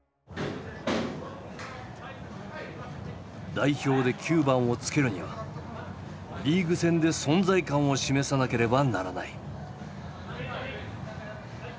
代表で９番をつけるにはリーグ戦で存在感を示さなければならない。